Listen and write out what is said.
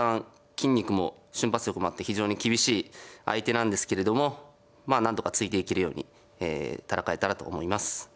筋肉も瞬発力もあって非常に厳しい相手なんですけれどもまあなんとかついていけるように戦えたらと思います。